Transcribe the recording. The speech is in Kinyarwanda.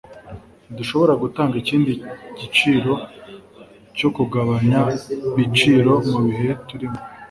Ntidushobora gutanga ikindi giciro cyo kugabanya ibiciro mubihe turimo.